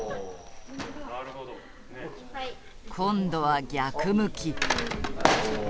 今度は逆向き。